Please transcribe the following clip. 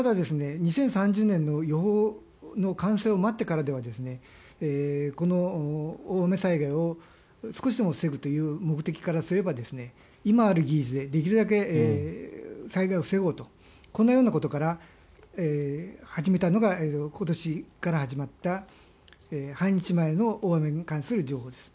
ただ、２０３０年の予報の完成を待ってからではこの大雨災害を少し防ぐという目的からすれば今ある技術でできるだけ災害を防ごうとこのようなことから始めたのが今年から始まった半日前の大雨に関する情報です。